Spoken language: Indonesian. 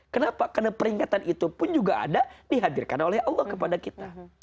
kenapa karena peringatan itu pun juga ada dihadirkan oleh allah kepada kita